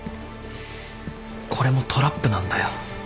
これもトラップなんだよ。